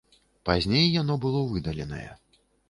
Пазней яно было выдаленае.